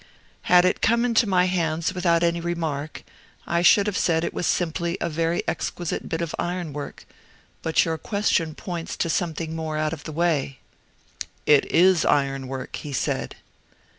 "Had it come into my hands without any remark, I should have said it was simply a very exquisite bit of ironwork; but your question points to something more out of the way." "It IS iron work," he said.